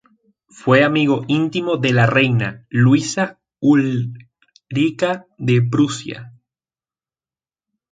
Fue amigo íntimo de la reina Luisa Ulrica de Prusia.